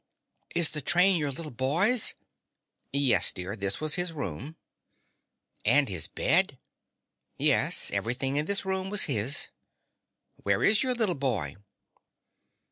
"Is the train your little boy's?" "Yes, dear. This was his room." "And his bed?" "Yes; everything in the room was his." "Where is your little boy?"